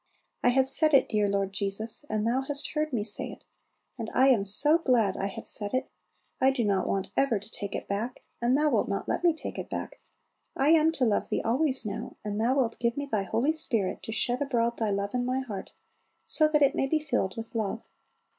I have said it, dear Lord Jesus, and Thou hast heard me say it. And I am so glad I have said it. I do not want ever to take it back, and Thou wilt not let me take it back. I am to love Thee always now; and Thou wilt give me Thy Holy Spirit to shed abroad Thy love in my heart, so that it may be filled with love.